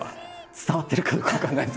伝わってるかどうか分かんないですけど。